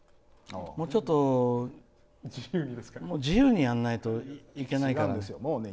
もうちょっと自由にやらないといけないからね。